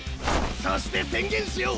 そして宣言しよう。